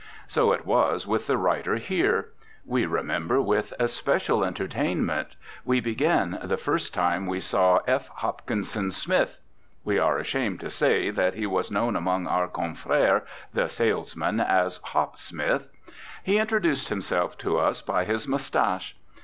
So it was with the writer here. We remember with especial entertainment, we begin, the first time we saw F. Hopkinson Smith. (We are ashamed to say that he was known among our confrere, the salesmen, as "Hop" Smith.) He introduced himself to us by his moustache.